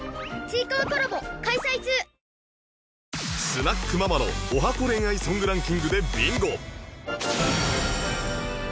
スナックママの十八番恋愛ソングランキングでビンゴ